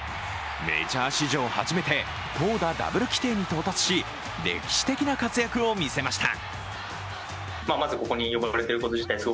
メジャー史上初めて投打ダブル規定に到達し、歴史的な活躍を見せました。